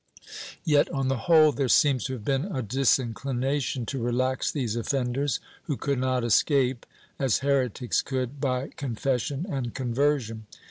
^ Yet, on the whole, there seems to have been a disinclination to relax these offenders, who could not escape, as heretics could, by con fession and conversion.